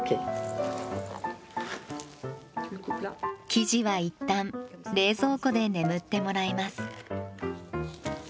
生地はいったん冷蔵庫で眠ってもらいます。